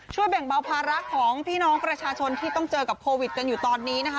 แบ่งเบาภาระของพี่น้องประชาชนที่ต้องเจอกับโควิดกันอยู่ตอนนี้นะคะ